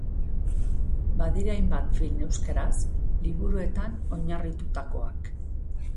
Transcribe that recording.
Badira hainbat film euskaraz, liburuetan oinarritutakoak.